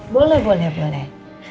boleh boleh boleh